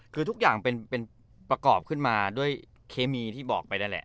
คือทุกอย่างเป็นประกอบขึ้นมาด้วยเคมีที่บอกไปนั่นแหละ